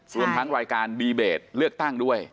รวมทั้งรายการดีเบตเลือกตั้งด้วย